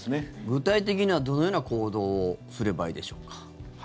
具体的にはどのような行動をすればいいでしょうか？